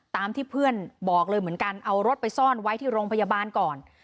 ตามที่เพื่อนบอกเลยเหมือนกันเอารถไปซ่อนไว้ที่โรงพยาบาลก่อน